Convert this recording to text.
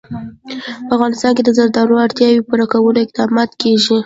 په افغانستان کې د زردالو د اړتیاوو پوره کولو اقدامات کېږي.